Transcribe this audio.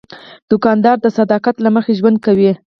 دوکاندار د صداقت له مخې ژوند کوي.